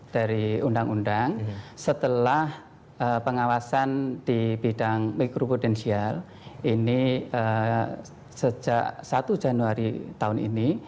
dari undang undang setelah pengawasan di bidang mikroprudensial ini sejak satu januari tahun ini